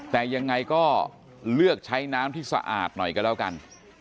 แต่ยังไงก็เลือกใช้น้ำที่สะอาดหน่อยก็แล้วกัน